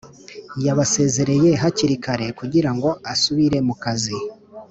yabasezereye hakiri kare kugira ngo asubire mu kazi